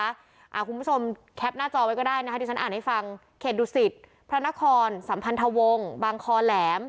คุณผู้ชมแคปหน้าจอไว้ก็ได้นะคะที่ฉันอ่านให้ฟังเขตดุสิตพระนครสัมพันธวงศ์บางคอแหลม